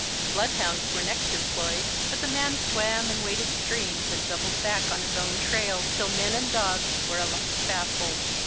Bloodhounds were next employed, but the man swam and waded streams and doubled back on his own trail till men and dogs were alike baffled.